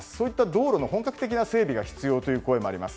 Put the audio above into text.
道路の本格的な整備が必要との声もあります。